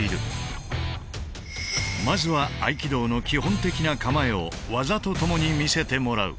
まずは合気道の基本的な構えを技とともに見せてもらう。